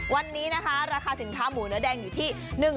วันนี้นะคะราคาสินค้าหมูเนื้อแดงอยู่ที่